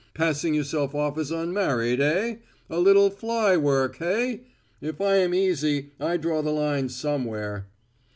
"Passing yourself off as unmarried, eh? A little fly work hey? If I am easy, I draw the line somewhere."